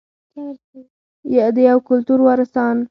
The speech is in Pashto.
د یو کلتور وارثان.